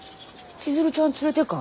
千鶴ちゃん連れてかい？